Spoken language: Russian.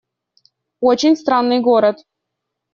Очень странный город.